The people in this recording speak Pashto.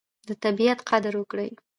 د طبیعت قدر وکړئ.